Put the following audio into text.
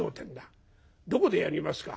『どこでやりますか？